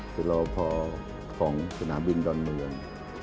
แล้วพอของสถานบินตอนเมือง